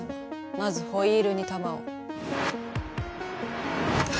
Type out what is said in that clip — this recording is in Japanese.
まずホイールに玉を。